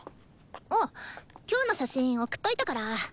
あっ今日の写真送っといたから。